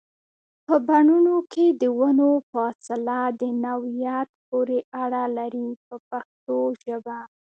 په بڼونو کې د ونو فاصله د نوعیت پورې اړه لري په پښتو ژبه.